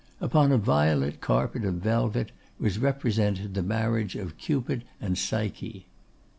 Upon a violet carpet of velvet was represented the marriage of Cupid and Psyche.